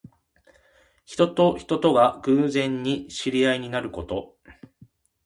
人と人とが偶然に知り合いになること。